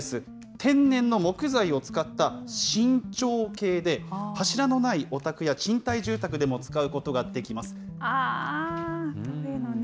天然の木材を使った身長計で、柱のないお宅や賃貸住宅でも使うこあー、こういうのね。